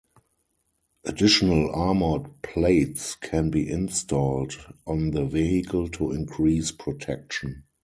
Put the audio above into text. Additional armoured plates can be installed on the vehicle to increase protection.